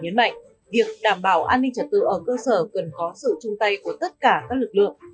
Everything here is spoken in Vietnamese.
nhấn mạnh việc đảm bảo an ninh trật tự ở cơ sở cần có sự chung tay của tất cả các lực lượng